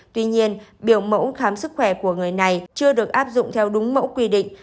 tuy nhiên biểu mẫu khám sức khỏe của người này chưa được áp dụng theo đúng mẫu quy định